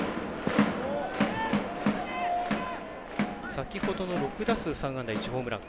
先ほどの６打数３安打１ホームラン。